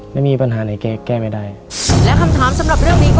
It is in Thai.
ไม่มีปัญหาไหนแกแก้ไม่ได้